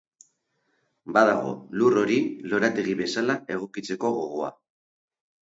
Badago, lur hori, lorategi bezala egokitzeko gogoa.